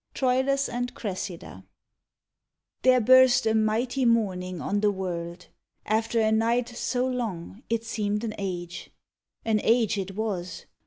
TROILUS AND CRESSIDA There burst a mighty morning on the world, After a night so long it seemed an age. An age it was.